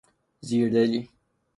زیردلی